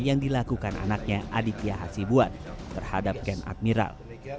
yang dilakukan anaknya aditya hasibuan terhadap ken admiral